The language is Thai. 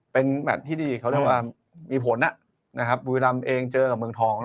เป็นแมตต์ที่เขาเรียกว่ามีผลนะบุรีรัมณ์เองเจอกับเมืองทอง